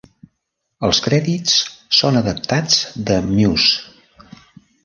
Els crèdits són adaptats de Muze.